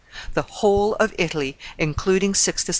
The whole of Italy, including Sixtus V.